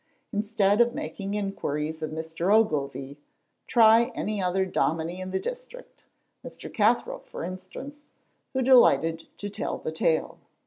Instead of making inquiries of Mr. Ogilvy, try any other dominie in the district, Mr. Cathro, for instance, who delighted to tell the tale.